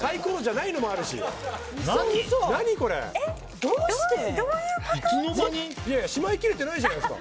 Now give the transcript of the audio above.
いやいやしまいきれてないじゃないですか。